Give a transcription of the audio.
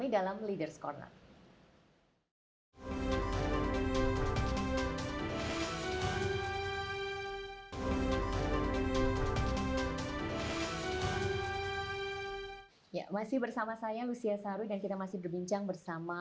dalam leaders ⁇ corner ya masih bersama saya lucia saru dan kita masih berbincang bersama